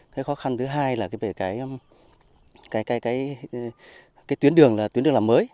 cái khó khăn thứ hai là về cái tuyến đường làm mới